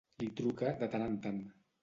Li truca de tant en tant.